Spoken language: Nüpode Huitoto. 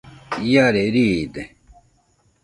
Iare riide